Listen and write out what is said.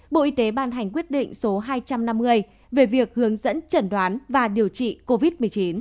bộ y tế ban hành quyết định số hai trăm năm mươi về việc hướng dẫn chẩn đoán và điều trị covid một mươi chín